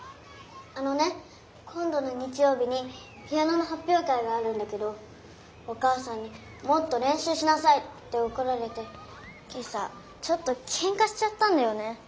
あのね今どの日曜日にピアノのはっぴょう会があるんだけどお母さんにもっとれんしゅうしなさいっておこられて今朝ちょっとけんかしちゃったんだよね。